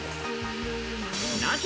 なぜ？